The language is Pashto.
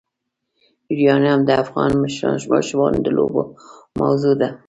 یورانیم د افغان ماشومانو د لوبو موضوع ده.